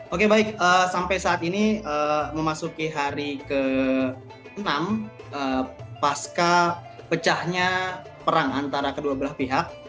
oke baik sampai saat ini memasuki hari ke enam pasca pecahnya perang antara kedua belah pihak